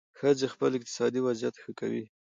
ښځې خپل اقتصادي وضعیت ښه کوي.